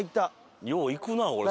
よういくなこれ。